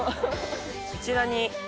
こちらに。